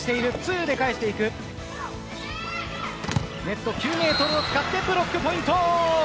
ネット９ｍを使ってブロックポイント。